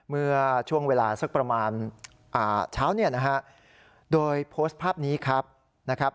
เมื่อช่วงเวลาสักประมาณอ่าเช้าเนี่ยนะฮะโดยโพสต์ภาพนี้ครับนะครับ